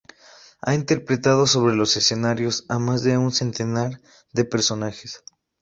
Ha interpretado sobre los escenarios a más de un centenar de personajes.